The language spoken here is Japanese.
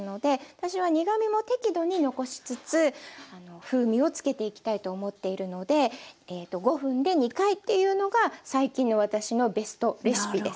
私は苦みも適度に残しつつ風味をつけていきたいと思っているので５分で２回というのが最近の私のベストレシピです。